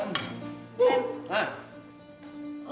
aduh kori mana ya